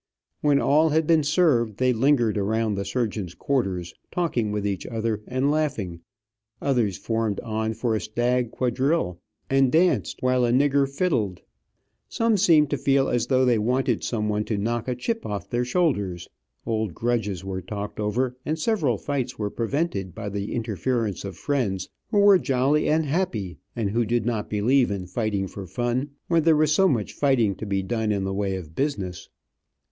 When all had been served, they lingered around the surgeon's quarters, talking with each other and laughing, others formed on for a stag quadrille, and danced, while a nigger fiddled. Some seemed to feel as though they wanted some one to knock a chip off their shoulders, old grudges were talked over, and several fights were prevented by the interference of friends who were jolly and happy, and who did not believe in fighting for fun, when there was so much fighting to be done in the way of business.